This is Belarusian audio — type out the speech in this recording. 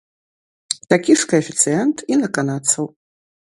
Такі ж каэфіцыент і на канадцаў.